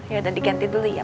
yaudah diganti dulu ya